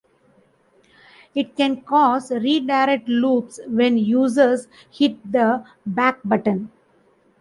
It can cause redirect loops when users hit the back button.